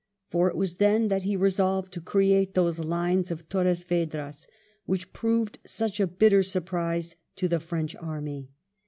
For it was then that he resolved to create those Lines of Torres Vedras which proved such a bitter surprise to the French army.